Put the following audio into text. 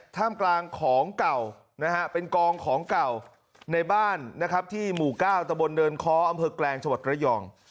ท่ามกลางของเก่านะฮะเป็นกองของเก่าในบ้านนะครับที่หมู่๙ตะบนเนินค้ออำเภอแกลงจังหวัดระยอง